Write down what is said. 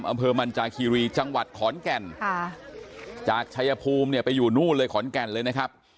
อำเภอมันจาคีรีจังหวัดขอนแก่นค่ะจากชายภูมิเนี่ยไปอยู่นู่นเลยขอนแก่นเลยนะครับ